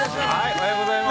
◆おはようございます。